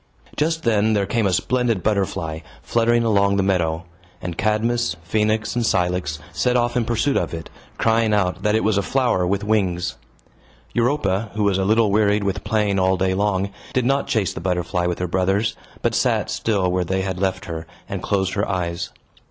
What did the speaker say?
Just then, there came a splendid butterfly, fluttering along the meadow; and Cadmus, Phoenix, and Cilix set off in pursuit of it, crying out that it was a flower with wings. Europa, who was a little wearied with playing all day long, did not chase the butterfly with her brothers, but sat still where they had left her, and closed her eyes.